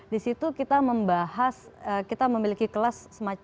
di situ kita membahas kita memiliki kelas semacam